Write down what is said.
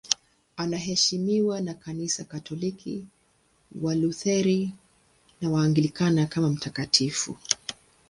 Anaheshimiwa na Kanisa Katoliki, Walutheri na Waanglikana kama mtakatifu.